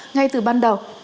ngay từ ban đầu